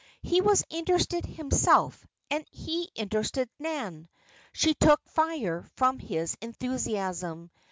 He was interested himself and he interested Nan. She took fire from his enthusiasm.